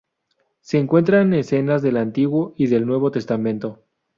Se encuentran escenas del Antiguo y del Nuevo Testamento.